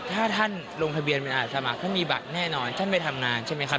ถ้าท่านลงทะเบียนเป็นอาสมัครท่านมีบัตรแน่นอนท่านไปทำงานใช่ไหมครับ